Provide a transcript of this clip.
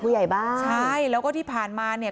บ้านใช่แล้วก็ที่ผ่านมาเนี่ย